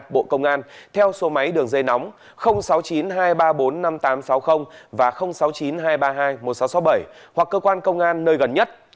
bộ công an theo số máy đường dây nóng sáu mươi chín hai trăm ba mươi bốn năm nghìn tám trăm sáu mươi và sáu mươi chín hai trăm ba mươi hai một nghìn sáu trăm sáu mươi bảy hoặc cơ quan công an nơi gần nhất